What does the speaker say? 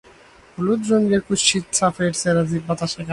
হলুদ রঙের কুৎসিত সাপের চেরা জিব বাতাসে কাঁপছে।